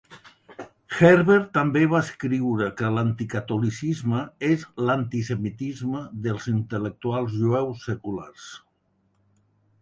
Herberg també va escriure que l'anticatolicisme és l'antisemitisme dels intel·lectuals jueus seculars.